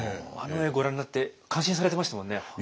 あの絵ご覧になって感心されてましたもんね。